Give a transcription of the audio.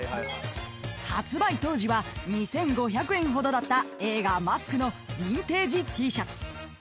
［発売当時は２，５００円ほどだった映画『ＭＡＳＫ』のヴィンテージＴシャツ］